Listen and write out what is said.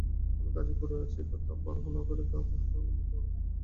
আমি গাজীপুরে আছি, একথা বরাহনগরে কাহাকেও লিখিও না।